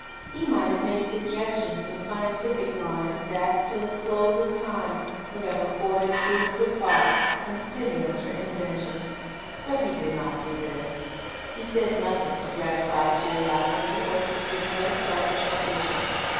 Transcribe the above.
He might have made sugges tions in scientific lines that, till the close of time, would have afforded food for thought and stimulus for inven tion. But He did not do this. He said nothing to gratify curiosity or to stimulate selfish ambition.